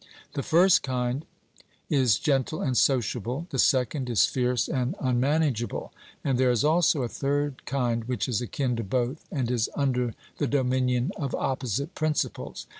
The first kind is gentle and sociable; the second is fierce and unmanageable; and there is also a third kind, which is akin to both, and is under the dominion of opposite principles.